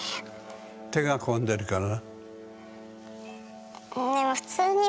手が込んでるから？